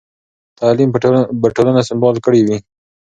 تعلیم به ټولنه سمبال کړې وي.